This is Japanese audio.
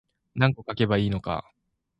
何個書けばいいのか